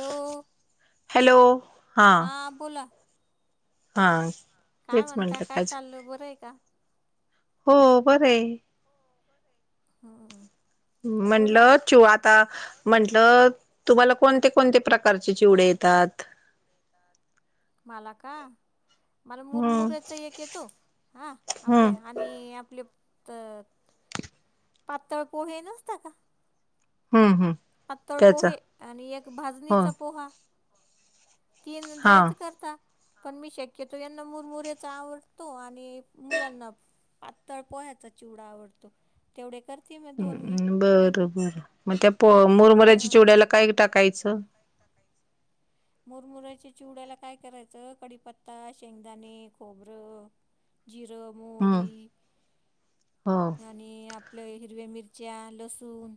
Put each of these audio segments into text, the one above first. Hello hello हा हा बोला हा काय तेच म्हणता म्हटलं काय कायच चाललं बरं आहे का हो बरं आहे हम्म बोला ना म्हटलं चिऊ आता म्हंटलं तुम्हाला कोणते, कोणते प्रकारचे चिवडे येतात मला का मला हम्म मुरमुऱ्याचा एक येतो हा आपल्या हम्म आणि आपले त पातळ पोहे नसत का हम्म, हम् पातळ पोहे आणि एक हो भाजणीचा पोहा तीन हा [unintelligible] पण मी शक्यतो यांना मुरमुर्याचा आवड तो आणि मुलांना पातळ पोह्याचा चिवडा आवडतो तेवढे करते मी दोन बर, बर मग त्या प मुरमऱ्याच्या चिवड्याला काय टाकायचं काय टाकायचं मुरमुराच्या चिवड्याला काय करायचं कडीपत्ता शेंगदाणे खोबरं जिर हम्म मोहरी हो आणि आपल्या हिरव्या मिरच्या लसूण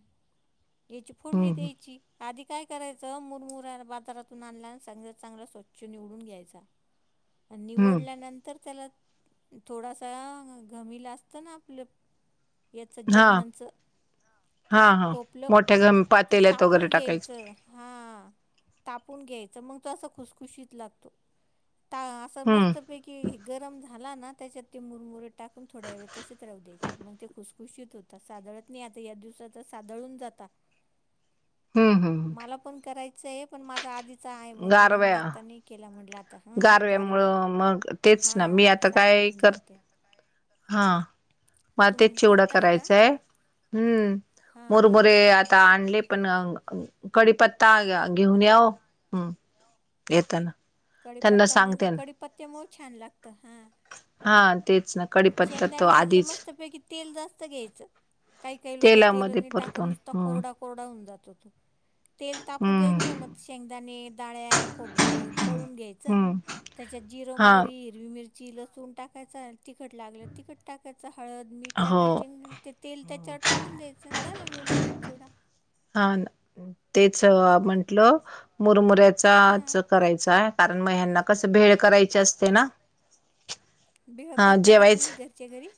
याची फोडणी हम्म द्यायची आधी काय करायचं मुरमुरा बाजारातून आणल्या सांग चांगला स्वच्छ निवडून घ्यायचा हम्म निवडल्यानंतर त्याला थोडासा घमीला असत ना आपलं याच हा जर्मनच हा हा टोपलं मोठ्या घम ते पातेल्यात वगैरे तापून टाकायचं घ्यायचं हा तापून घ्यायचं मग तो असं खुसखुशीत लागतो असं हम्म मस्त पैकी हे गरम झाला ना त्याच्यात ते मुरमुरे टाकून थोड्या वेळ तसेच राहू द्यायचे मग ते खुसखुशीत होते सादळत नाही आता या दिवसाच सादळून जाता हम्म हम् मला पण करायचं आहे पण माझा आधीच आहे म्हणून मग मी गारव्या आता नाही केला म्हटलं आता हां गारव्यानी गारव्यामुळं मग तेच ना मी हां आता काय सादळून कर जातं हा मग तुम तेच चिवडं करताय का करायचंय हम्म हां हां मुरमुरे आता आणले आपण कडीपत्ता घेऊन याव हम् येताना त्यांना कडीपत्ता न सांगते ना कडीपत्त्या मुळ छान लागतं हा हा तेच न शेंगदाणे असं मस्तपैकी तेल जास्त घ्यायचं काही काही लोक तेलामध्ये तेलने टाकत परतून नुसता हम्म कोरडा कोरडा होऊन जात तो तेल तापू हम्म द्यायचं मग शेंगदाणे डाळ्या खोबरं तळून घ्यायचं हम्म त्याच्यात जिर हा मोरी हरवी मिरची लसूण टाकायच तिखट लागलं तिखट टाकायचं हळद मीठ हो टाकायचे ते तेल त्याच्यावर टाकून द्यायचं झालं मुरमुऱ्याचा चिवडा हा तेच म्हंटलं मुरमुऱ्याचाच हां करायचा आहे म ह्यांना कस भेळ करायची असते ना भेळ हा करता का जेवायच तुम्ही घरच्या घरी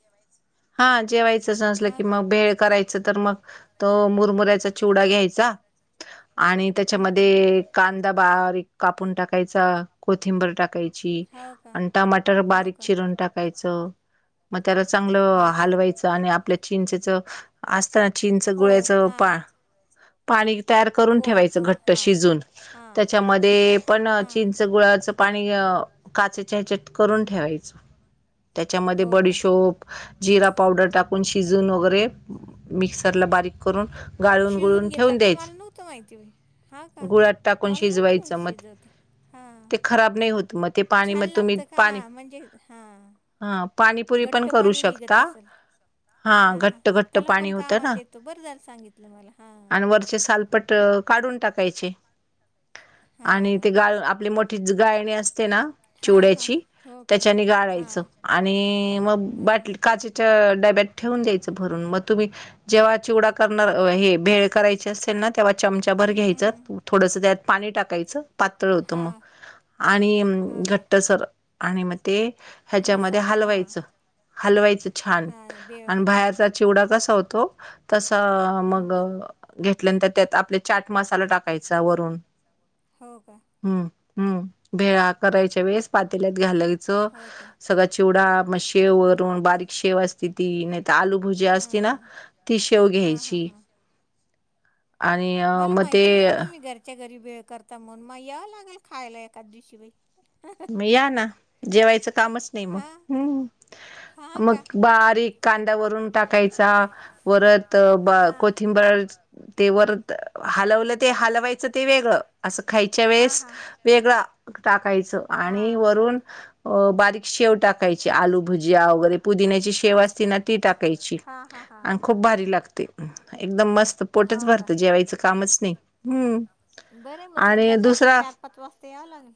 हा जेवायचंच नसलं हा की का? मग भेळ करायच तर मग तो मुरमुऱ्याचा चिवडा घ्यायचा आणि हम्म हम्म हम्म. त्याच्यामध्ये कांदा बारीक कापून टाकायचा कोथिंबर टाकायचा आणि टमाटर हो बारीक का? चिरून टाकायचं मग त्याला चांगलं चांगलं हो का? हलवायच आणि आपल्या चीनचेच असताना चीनच गुळ्याचं पाणी पाणी तयार ते पाणी करून ठेवायचं घट्ट शिजून त्याच्यामध्ये पण चिंचं गुळाचं पाणी काचेच्या ह्याच्यात करून ठेवायचं त्याच्यामध्ये हो का? बडीशोप जिरा पावडर टाकून शिजून वगैरे मिक्सरला बारीक करून गाळून शिजून गुळून घेता ठेवून का द्यायच मला नव्हतं माहिती बाई हा का गुळात टाकून मला नव्हतं माहित शिजवायचं मत शिजवता हां ते खराब नाही होत मग छान मग तुम्ही लागतं का हा पाणी म्हणजे हा हा पाणीपुरी पण घट्ट करू पाणी निघतं शकता असेल. हा हा घट्ट हा घट्ट त्याला पाणी पण होतं ना कामात येतो बरं झालं सांगितलं मला हा ते शालपट्टं काढून टाकायची आणि हां ते गाल आपली मोठ तीच गाळणी असं ते ना हां हां चिवड्याची हो का त्याच्याने हां गाळायचं आणि मग हां बाटली अच्छा अच्छा अह डब्यात ठेवून द्यायचं भरून मग तुम्ही जेव्हा चिवडा करणार अह हे भेळ करायचे असेल ना, तेव्हा चमचा भर घ्यायचं थोडसं त्यात पाणी टाकायचं. पातळ होतो मग आणि अम्म घट्टसर आणि मग ते रसा ह्याच्यामध्ये हा हालवायचं. हलवाय. छान हलवायचं हा आणि बेळमध्ये बाहेरचा चिवडा कसा होतो तसां हम्म मग घेतल्यानंतर त्यात आपला चाट मसाला टाकायचा वरून हो का? हम्म हम्म भेळा करायच्या वेळेस पातेल्यात घालायचं सगळ्यां चिवडा मग शेव वरून बारीक शेव असते ती नाही तर आलू भुजिया असती ना ती शेव घ्यायची. आणि मला मग माहिती ते नव्हतं तुम्ही घरच्या घरी भेळ करतां. तर म्हणुन मग याव लागेल खायला एकाचं दिवशी बाई मग या ना जेवायचं कामचं नाही मग हा हम्म हा मग का बारीक कांदा वरून टाकायचा वरत ब हा. कोथिंबर तेवरं हलवलं ते हलवायचं ते वेगळं असं खायच्या वेळेस वेगळा टाकायचं. आणि वरून असं अह बारीक शेव वरून टाकायची आलू भुजीया वगैरे पुदिन्याची शेव असते ना ती टाकायची आणि खूप भारी लागते. एकदम मस्त पोटच ती भरतं जेवायचं कामचं नाही हम्म. बरंय मग आणि संध्याकाळचे दुसरा चार पाच वाजता यावं लागलं.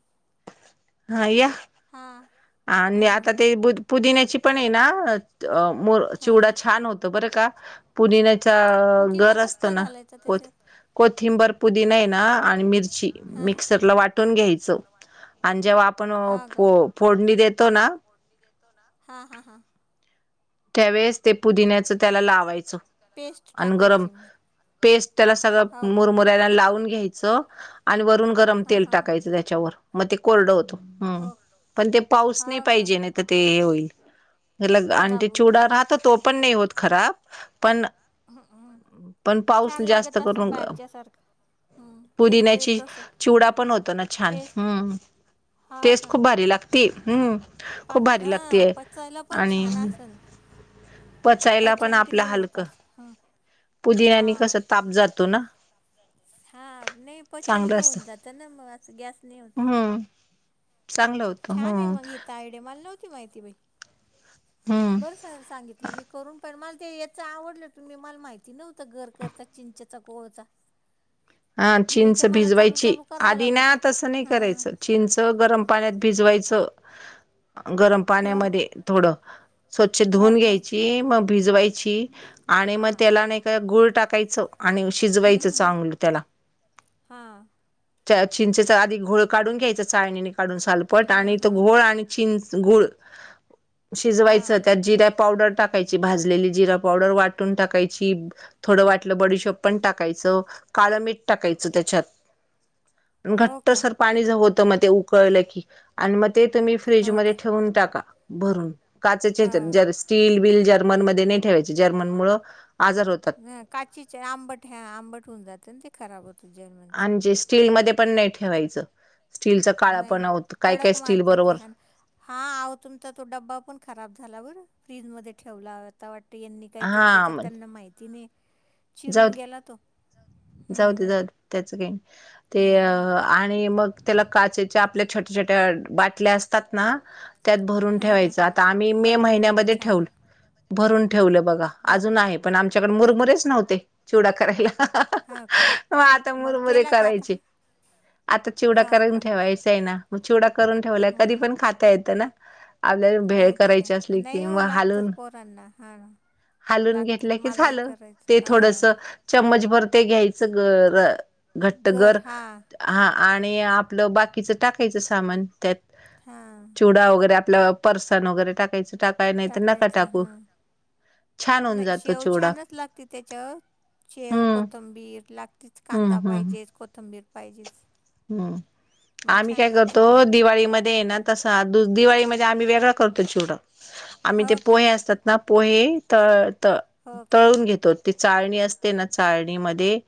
हा या. हां. हा आणि आता हां. ते पुदि पुदिन्याची पण आहे ना अह म चिवडा हां. छान होत बरं का. पुदिन्याच्या पुदिना घर कस असत काय ना घालायचा कोत कोथिंबर पुदीना हे ना आणि मिरची हा मिक्सरला वाट टून घ्यायचं आणि जेव्हा आपण फो फोडणी देतो ना. फोडणी देतो ना हा हा हा. त्यावेेळेस ते पुदिन्याचं त्याला लावायचं. पेस्ट आणि गरम टाकायची म पेस्ट त्याला सगळं मुरमुऱ्याला लावून घ्यायचं. आणि वरून गरम तेल आणि टाकायचं त्याच्यावर मग ते कोरडं होत हम्म पण ते पाऊस नाही होतं पाहिजे, नाही तर ते हे होईल. ल आणि खराब ते होतो. चिवडा राहतो तो पण नाही होत खराब पण पण पाऊस छान जास्त लागत असेल करून अह बाहेरच्या सारखं हम्म टेस्ट पुदिन्याची येत असल चिवडा पण होतो ना छान टेस्ट हम्म. हा टेस्ट का? खूप भारी लागती, हम्म खूप पात भारी हा लागतीय पचायला पण आणि छान असल पचायला पण आपला पचनक्रिया होत हलकं असल हा. पुदिन्यानी हा कसं ताप जातो ना. हा नाही पचन चांगलं बी असत होऊन जात ना मग अस गॅस नाही होत. हम्म चांगलं होतं. छान आहे हम्म मग हि तर आयडिया मला नव्हती माहिती बाई. हम्म. बरं सर सांगितलं मी करून पण मला ते याच आवडलं ती मला माहिती नव्हतं घर कर चिंचेचा कोळचा. हा हे तर चिंच मला चालू भिजवायची चालू करावा आधी ना लागतो तसं नाही हा. करायचं चिंच गरम पाण्यांत बिजवायचं. गरम हा पाण्यामध्ये थोडं स्वच्छ हा धुून हा. घ्यायची मग भिजवायची आणि मग हा. त्याला नाही का गूळ टाकायचं आणि शिजवायचं हम्म हम्म चांगलं. हा त्या चिंचेचा आधी घोळ काढून घ्यायचा चाळणीने काढून साल पट हा आणि तो हा. घोळ आणि चिंच, गूळ हा शिजवायच त्यात जिऱ्या पावडर टाक टाकायची भाजलेली जिरा पावडर वाटून टाकायची. थोडं वाटलं बडिशोप पण टाकायचं. काळ मीठ टाकायचं त्याच्यात हो घट्ट का सारखं पाणीच होतं मग ते उकळलं की आणि मग ते तुम्ही हो फ्रीजमध्ये का. ठेवून टाका भरून. काचेचे हा हेच्यात स्टील बिल जर्मनमध्ये नाही ठेवायचे जर्मन मुळ आजार होत ह काचीचे आंबट ह आंबट होऊन जातं ते खराब होत आणि जे स्टीलमध्ये पण नाही ठेवायचं स्टीलच काळा नाही पण ना होत काय काय तडक स्टील मारतं ते बरोबर हा ना. हा आओ तुमचा तो डब्बा पण खराब झाला बर फ्रीजमध्येध्ये ठेवला तावा टी यांनी काहीतर हा त्याच्यात मग त्यांना काही माहिती नाही जाऊ चिरून दे गेला तो हम्म त्याच काही नाही ते हम्म. आणि मग त्याला काचे च्या आपल्या छोट्या छोट्या बाटल्या असत ना त्यात भरून हां हां ठेवायच हां आता आम्ही मे बर्नीमध्ये महिन्यामध्ये छान ठेवल भरून ठेवलं बघा अजून बापरे आहे पण आमच्याकडे हा का मुरमरेच नव्हते चिवडा करायला. हा हा मग आता मग मुरमुरे केला का आता करायचे. आता चिवडा हा करून का ठेवायचं आहे ना मग चिवडा करून ठेवलाय हम्म, कधी पण खाता येतं ना आपल्याला हम्म. भेळ नाही तर करायची काय असली नाही हो किंवा लागतंच हालून पोरांना हा ना हालून घेतलं लागतंच की मलाही झालं. करायचं ते थोडस हां चम्मच भर ते घ्यायचं ग गर घट्टगर. हा हा आणि आपलं बाकीचं टाकायचं सामान त्यात हा चिवडा वगैरे आपला पारसाण वगैरे टाकायच त्यात टाकायच हा छान होऊन नाही जातो शेव चिवडा छानच लागती. त्याच्या शेव हम्म कोथंबीर लागतेच हम्म कांदा हम्म पाहिजेच, कोथंबीर पाहिजेच हम्म मग आम्ही छान काय लागते करतो भेळ दिवाळीमध्ये हे ना तस दिवाळी म्हणजे आम्ही वेगळा करतो चिवडा आम्ही ते हो का पोहे असतात ना पोहे त त हो का तळून घेतो. ते चाळणी असते ना चाळणीमध्ये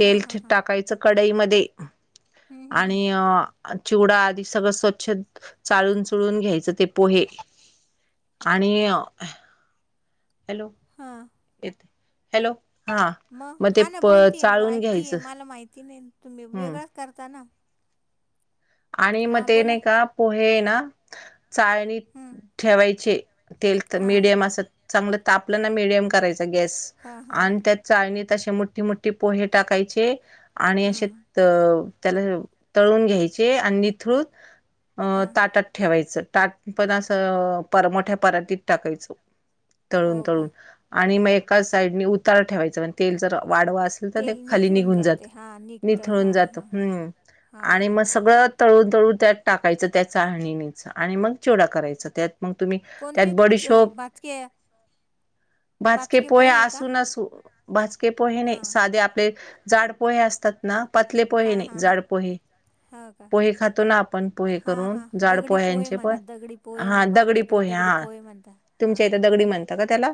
हां हां हां टाकायचं कडाईमध्ये हं, हं, आणि हं. चिवडा आधी सगळं स्वच्छ चाळून चुळून घ्यायचं ते पोहे आणि अ हॅलो हा येत हॅलो हा मग ते हा ना प बोलतेय चाळून ऐकतीय घ्यायचं मला माहिती नाही तुम्ही हम्म वेगळाच करता ना आणि मग हां ते बोला नाही का पोहे ना चाळणी हं, ठेवायचे तेल तर हां मीडियम असं चांगलं तापलं ना मिडियम करायचा गॅस हां हां आणि त्या चाळणीत असे मोठठी मोठी पोहे टाकायचे आणि असे हां तर त्याला तळून घ्यायचे आणि निथळून अं हां ताटात ठेवायचं ताट पण असं परमोठ्या परराटीत टाकायचं. तळून हो का तळून आणि मग एकाच साईडनी उतार ठेवायचं म्ह तेल जर वाढवा अस तेल खाली निथळून निघून जाते जात हां निघतं निथळून हां जात हां हां हम्म हां आणि हां ते सगळ तळू तळू त्यात टाकायचं त्या चाळणीच आणि मग चीवडा करायचं त्यात. मग तुम्ही कोणते त्यात च- बडीशोप भाजके भाजके बाचके पोहे का असू नसू भाजके पोहे नाय हां साधे आपले जाड पोहे असतात ना पातले पोहे हां नाय हां जाड पोहे. हो का पोहे खातो ना आपण पोहे हां करून हां जाड दगडी पोहे पोह्यांचे पण. म्हणा दगडी पोहे हा म्हण- दगडी आमच्याकडे पोहे दगडी हा पोहे म्हणतात तुमच्या इथ हां दगडी म्हणता का त्याला?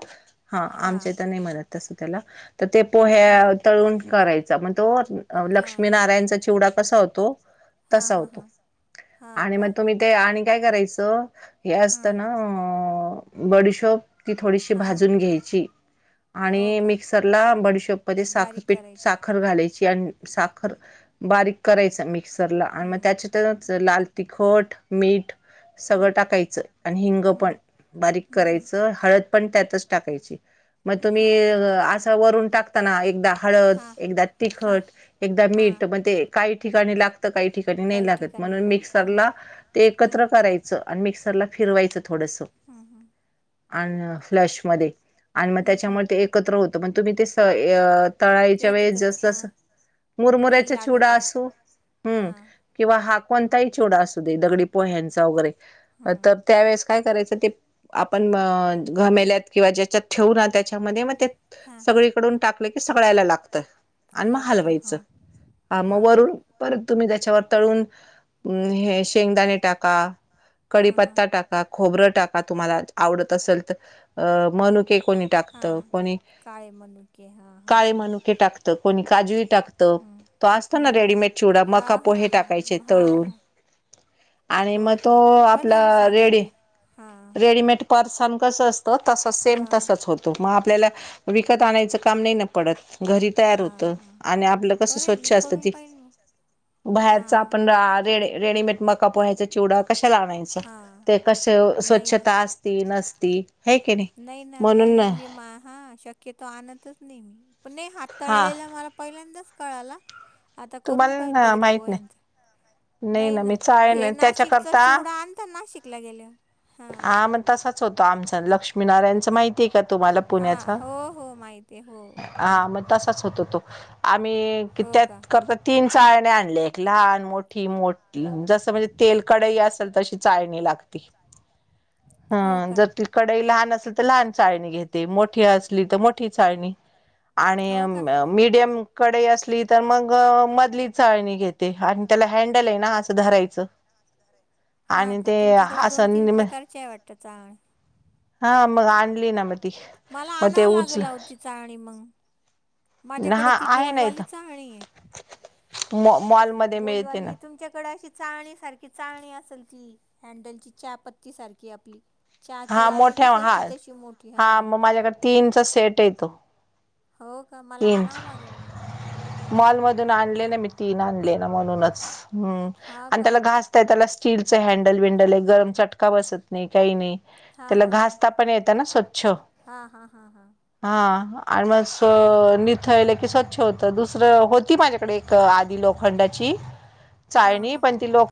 हा आमच्या हां इथ नाई म्हणत तसं त्याला. तर ते पोहे हं, तळून करायचा मग तो हां लक्ष्मीनारायणचा चिवडा कसा होतो. हां तसा हां होतो हां हो आणि म का तो ते आणि काय करायचं हे हां असत ना बडीशोप ती थोडीशी हां हां भाजून घ्यायची. हो आणि का मिक्सरला बडीशोप मध्ये साखर बारीक पीठ करायची साखर घालायची आण साखर बारीक करायच मिक्सरला आणि म हां त्याची च लाल तिखट मीठ सगळं टाकायचं आणि हिंग पण. बारीक करायच हळद पण त्यातच टाकायची म तुम्ही का असं वरून टाक ता ना एकदा हळद, हां एकदा हां तिखट, एकदा मीठ हां म ते काही ठिकाणी ला त -काही ठिकाणी नाही काही लागत म्हणून ठिकाणी लागतं हं, मिक्सरला ते एकत्र हं, कराय च आणि मिक्सरला फिरवायचं थोडंसं. हम् हम्. आणि फ्लॅश मध्ये आणि मग हं, हं. त्याच्यामुळे ते एकत्र होत मग तुम्ही ते तळायच्या वेळेस एकदाच हां जसजस तेल मुरमुऱ्याचा लागत चिवडा असं असू हा हम् किंवा हा कोणताही चिवडा असूदे दगडी पोह्यांचा वगैरे हा. तर त्यावेेळेस काय करायचं ते आपण घमेल्यात किंवा ज्याच्यात ठेवू ना त्याच्यामध्ये मग ते हा सगळीकडून टाक ल की सगळ्यायला लागत आणि मग लागतं हलवायचं हां आ म हां का वरून परत तुम्ही त्याच्यावर तळून हे शेंगदाणे टाका, हां हां. कडीपत्ता टाका खोबरं टाका तुम्हाला आवडत असल तर अ मनुके कोणी टाकत हां कोणी काळे मनुके हां हां काळे हां. मनुके टाकत कोणी काजू ही टाकत. तो असतो ना सामान रेडिमेट चिवडा मका पोहे टाकायचे तळून. आणि शिजवतो. म हो तो का बरं आपला झालं रेडी सांगितलं हां. रेडीमेट परसान कसा असतं तसं हा सेम हा. तसच होतो मग आपल्याला विकत आणायचं काम नाय ना पडत घरी तयार होत हा हा आणि आपलं कस बरं आहे स्वच्छ मी असत ती [unintelligible] बाहेरच हां. आपण रेडी -रेडीमेड रे मक का पोह्यांचा चिवडा कशाला आणायचा कशाला ते कसं हां स्व नाही ना स्वच्छता आस हे की नई नाही ना नाही नाही मी हा शक्य तो आणतच नाहीे मी पण नाई हा हाताळलेला मला पहिल्यांदाच कळाला. आता करून पाहील तुम्हाला दगडी माहित नाही पोह्यांचा. नाही नाई ना मी चाळे हे नाही नाशिकचा त्याच्याकरता चिवडा आणता नाशिकला गेल्यावर हा. हा म तसाच होतो आमचा लक्ष्मीनारायणचं माहि तीय तुम्हाला हा पुण्याचा हो हो माहिती आहे हो हा मग तसाच होतो. आम्ही हो का त्यात करता तीन चाळन्या कप आणल्या एक लहान मो एक ठी- जसं म्हणजे तेल कढई असेल तशी चाळणी लागती. लागते हो हं का जर ती कढई लहान अस ली तर लहान चाळणी घेते मोठी असली तर मोठी चाळणी आणि हो का मिडियम कढई असली तर मग मधली चाळणी घेते. त्याला हँडल आहे ना असं धरायचं हा आणि ते असं त्याचा हा मग आणली ना ती मला मग ते आणावं उचल लागेल आहो ती चाळणी मंग माझ्याकडे हा ती आहे ना गोलवाली इथं चाळणी आहे. मॉ, मॉल म गोलवाली हे तुमच्याकडे अशी चाळणी सारखी चाळणी असन ती, हँडलची चा पत्ती सारखी आपली चहाची हा गाळणी मोठ्या कशी हा असती तशी, मोठी हा मग माझ्याकडे तीनचा सेट येतो हो का, मला तीन आणावं लागन मग. मॉलमधून आणले ना, मी तीन आणलेल्या म्हणूनच हम्म, हा आणि का त्याला घासता येतं त्याला स्टीलच हँडलबिंडलहे, गरम चटका बसत नाही काही नाही. हा त्याला हा हा घासता पण येतं ना स्वच्छ हा हा हा हा आणि म निथळलं की स्वच्छ होत दुसरं होती माझ्याकडे एक आधी लोखंडाची‌ हा चाळणी हा पण ती लोक